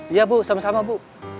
iya bu sama sama bu